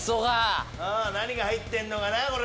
何が入ってんのかな？